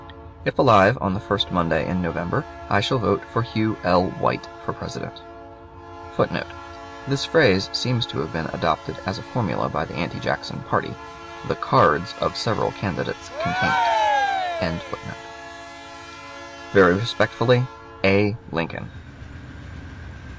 If alive on the first Monday in November, I shall vote for Hugh L. White for President. [Footnote: This phrase seems to have been adopted as a formula by the anti Jackson party. The "cards" of several candidates contain it.] Very respectfully, A. LINCOLN.